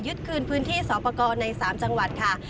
ยึดคืนพื้นที่สอปกรณ์ใน๓จังหวัดค่ะ